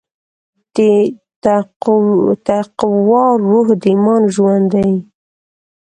د تقوی روح د ایمان ژوند دی.